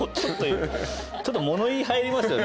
ちょっと物言い入りますよね